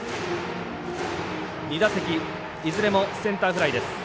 ２打席、いずれもセンターフライです。